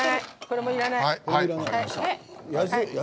これもいらない。